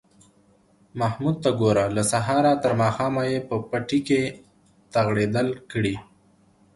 محمود ته گوره! له سهاره تر ماښامه یې په پټي کې تغړېدل کړي